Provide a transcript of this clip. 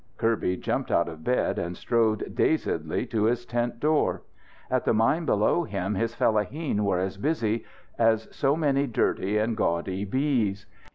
Kirby jumped out of bed and strode dazedly to his tent door. At the mine below him his fellaheen were as busy as so many dirty and gaudy bees.